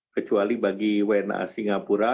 kecuali bagi wna singapura